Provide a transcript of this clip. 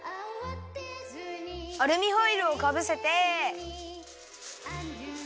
アルミホイルをかぶせて。